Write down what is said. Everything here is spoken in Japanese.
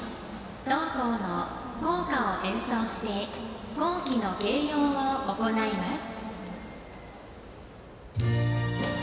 同校の校歌を演奏して校旗の掲揚を行います。